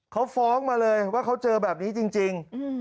เขาฟ้องมาเลยว่าเขาเจอแบบนี้จริง